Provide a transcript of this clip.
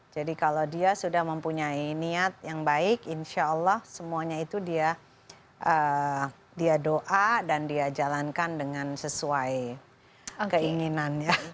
jadi kalau dia sudah mempunyai niat yang baik insya allah semuanya itu dia doa dan dia jalankan dengan sesuai keinginannya